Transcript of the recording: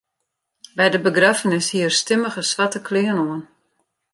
By de begraffenis hie er stimmige swarte klean oan.